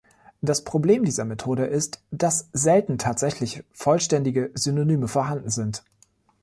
Das Problem dieser Methode ist, dass selten tatsächliche vollständige Synonyme vorhanden sind.